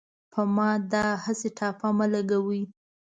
په ما داهسې ټاپه مه لګوۍ